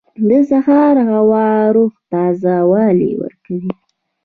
• د سهار هوا روح ته تازه والی ورکوي.